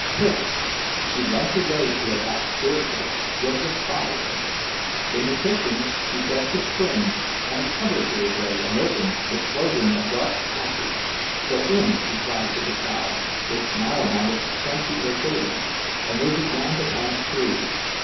Quick!" She led the way to a back staircase, Jurgis following; in the kitchen she pressed a spring, and a cupboard gave way and opened, disclosing a dark passageway. "Go in!" she cried to the crowd, which now amounted to twenty or thirty, and they began to pass through.